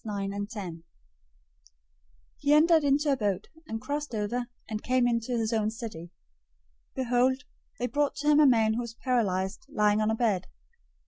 009:001 He entered into a boat, and crossed over, and came into his own city. 009:002 Behold, they brought to him a man who was paralyzed, lying on a bed.